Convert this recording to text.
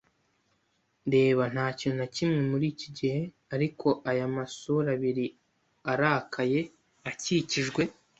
reba ntakintu nakimwe muriki gihe ariko aya masura abiri arakaye, akikijwe